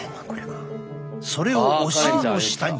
それをお尻の下に。